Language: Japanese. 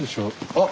あっ！